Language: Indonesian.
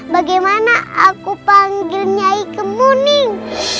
bagaimana aku panggil nyai kemuning